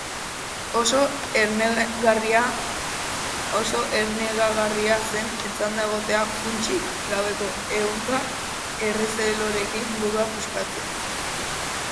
Oso ernegagarria zen etzanda egotea, funtsik gabeko ehunka errezelorekin burua puskatzen.